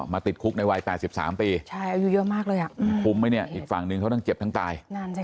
ติดคุกในวัย๘๓ปีอายุเยอะมากเลยคุ้มไหมเนี่ยอีกฝั่งหนึ่งเขาทั้งเจ็บทั้งตาย